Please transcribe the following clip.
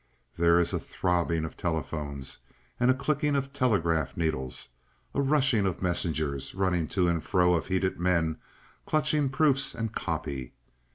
There is a throbbing of telephones and a clicking of telegraph needles, a rushing of messengers, a running to and fro of heated men, clutching proofs and copy.